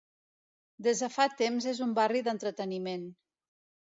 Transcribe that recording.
Des de fa temps és un barri d'entreteniment.